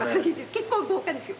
結構豪華ですよ。